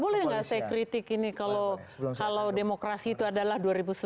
boleh nggak saya kritik ini kalau demokrasi itu adalah dua ribu sembilan belas